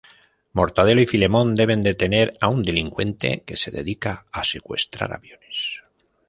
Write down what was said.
Mortadelo y Filemón deben detener a un delincuente que se dedica a secuestrar aviones.